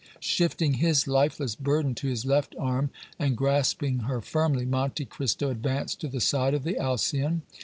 Shifting his lifeless burden to his left arm and grasping her firmly, Monte Cristo advanced to the side of the Alcyon.